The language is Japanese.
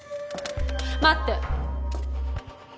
待って！